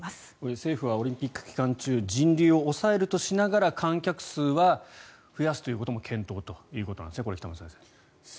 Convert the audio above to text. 政府はオリンピック期間中人流を抑えるとしながら観客数は増やすということも検討ということなんですね北村さん。